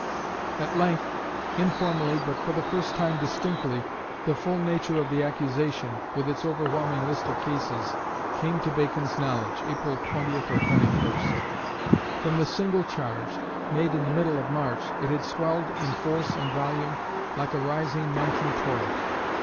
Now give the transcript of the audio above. At length, informally, but for the first time distinctly, the full nature of the accusation, with its overwhelming list of cases, came to Bacon's knowledge (April 20 or 21). From the single charge, made in the middle of March, it had swelled in force and volume like a rising mountain torrent.